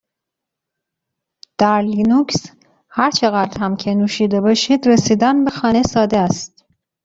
در لینوکس هرچقدر هم که نوشیده باشید، رسیدن به خانه ساده است.